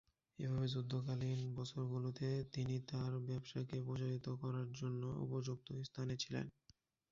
এভাবে যুদ্ধকালীন বছরগুলোতে তিনি তার ব্যবসাকে প্রসারিত করার জন্য উপযুক্ত স্থানে ছিলেন।